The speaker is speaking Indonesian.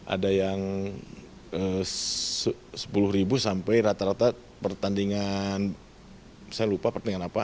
ada yang sepuluh ribu sampai rata rata pertandingan saya lupa pertandingan apa